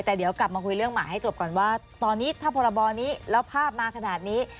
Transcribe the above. แต่เดี๋ยวกลับมาคุยเรื่องหมาให้จบก่อนว่าตอนนี้ถ้าพรบนี้แล้วภาพมาขนาดนี้